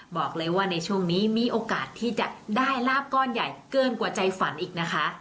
บอกเลยว่าในช่วงนี้มีโอกาสที่จะได้ลาบก้อนใหญ่เกินกว่าใจฝันอีกนะคะ